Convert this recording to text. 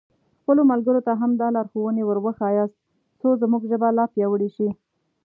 خپلو ملګرو ته هم دا لارښوونې ور وښیاست څو زموږ ژبه لا پیاوړې شي.